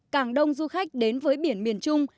càng đông du khách đến với biển miền trung